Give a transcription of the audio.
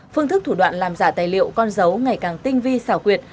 phương thức thủ đoạn làm giả tài liệu con dấu ngày càng tinh vi xảo quyệt